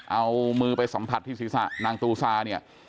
เอามือไปสัมผัสที่ศีรษะนางตูซาเนี่ย